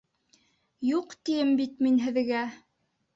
Юҡ, тием бит мин һеҙгә.